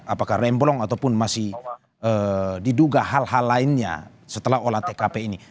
apakah remblong ataupun masih diduga hal hal lainnya setelah olah tkp ini